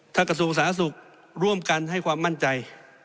ถ้ากระทรวงสาธารณสุขร่วมกันให้ความมั่นใจ